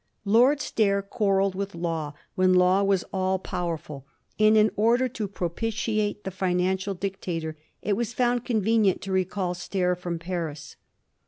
Lord Stair quarrelled with Law when Law was all powerful ; and, in order to propitiate the financial dictator, it was found convenient to recall Stair from Paris.